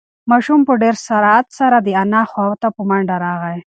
ماشوم په ډېر سرعت سره د انا خواته په منډه راغی.